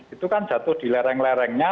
itu kan jatuh di lereng lerengnya